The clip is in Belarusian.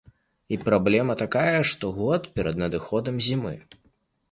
І праблема такая штогод перад надыходам зімы.